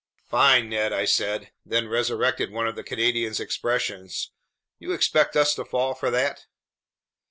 "Fine, Ned," I said, then resurrected one of the Canadian's expressions. "You expect us to fall for that?"